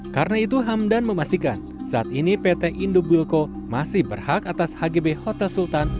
karena itu hamdan memastikan saat ini pt indobuilko masih berhak atas hgb hotel sultan